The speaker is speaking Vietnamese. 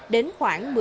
đến khoảng một mươi giờ